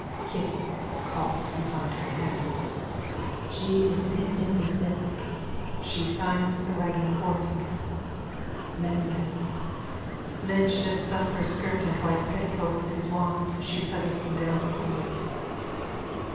_ KITTY: (Coughs behind her hand.) She's a bit imbecillic. (She signs with a waggling forefinger.) Blemblem. _(Lynch lifts up her skirt and white petticoat with the wand. She settles them down quickly.)